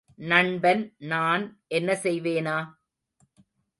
நண்பன் நான் என்ன செய்வேனா?